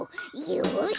よし！